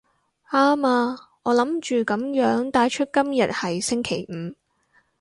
啱啊，我諗住噉樣帶出今日係星期五